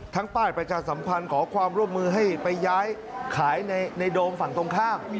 ป้ายประชาสัมพันธ์ขอความร่วมมือให้ไปย้ายขายในโดมฝั่งตรงข้าม